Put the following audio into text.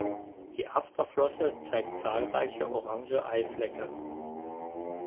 Die Afterflosse zeigt zahlreiche orange Eiflecke.